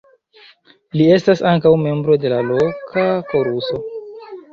Li estas ankaŭ membro de la loka koruso.